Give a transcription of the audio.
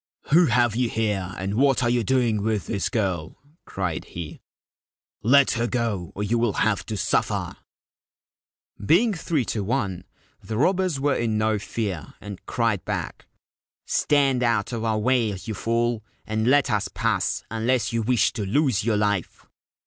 ' Who have you here, and what are you doing with this girl ?' cried he. * Let her go, or you will have to suffer !' 209 27 Ancient Tales and Folklore of Japan Being three to one, the robbers were in no fear, and cried back, ' Stand out of our way, you fool, and let us pass — unless you wish to lose your life.'